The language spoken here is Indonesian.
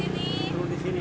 turun di sini ya